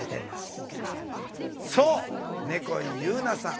そう猫井夕菜さん。